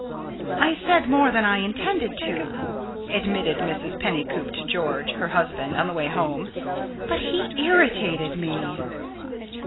"I said more than I intended to," admitted Mrs. Pennycoop to George, her husband, on the way home; "but he irritated me."